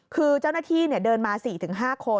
คือเจ้าหน้าที่เดินมา๔๕คน